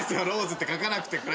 ローズって書かなくて。